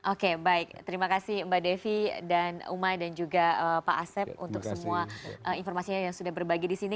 oke baik terima kasih mbak devi dan umai dan juga pak asep untuk semua informasinya yang sudah berbagi di sini